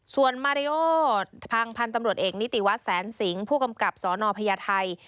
ส่วนมาริโอทางพันธ์ตำรวจเอกนิติวัตรแสนสิงผู้กำกับสนพญาไทย